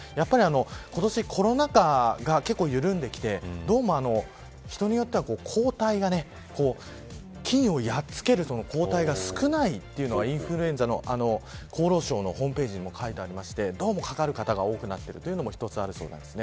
今年、コロナ禍が結構緩んできて人によっては抗体が菌をやっつける抗体が少ないというのがインフルエンザの厚労省のホームページにも書いてありましてどうもかかる方が多くなってるというのも一つ、あるそうなんです。